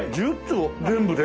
全部で？